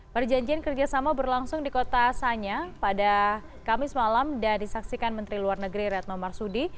perjanjian kerjasama berlangsung di kota sanya pada kamis malam dan disaksikan menteri luar negeri retno marsudi